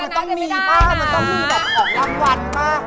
มันต้องมีต้องออกทางวัดมา